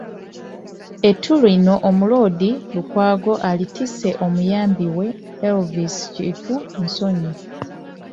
Ettu lino Omuloodi Lukwago alitise omuyambi we, Elvis Kintu Nsonyi